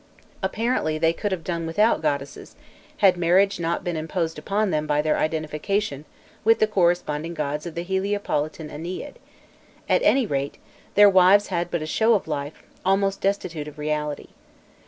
Apparently they could have done without goddesses had marriage not been imposed upon them by their identification with the corresponding gods of the Heliopolitan Ennead; at any rate, their wives had but a show of life, almost destitute of reality.